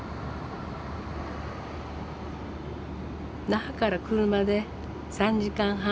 那覇から車で３時間半。